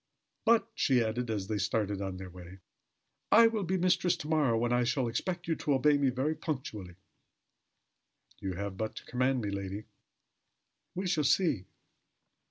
But," she added, as they started on their way, "I will be mistress to morrow, when I shall expect you to obey me very punctually." "You have but to command me, lady." "We shall see."